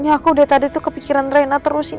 aku udah dari tadi kepikiran rina terus